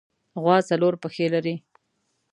غوا څلور پښې لري.